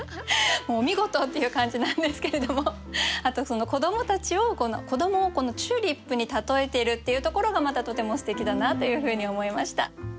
もうお見事っていう感じなんですけれどもあとその子どもたちを子どもをこのチューリップに例えているっていうところがまたとてもすてきだなというふうに思いました。